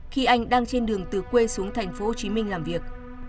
khi anh đang trên đường từ quê xuống tp hcm làm việc